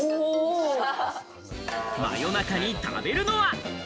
夜中に食べるのは？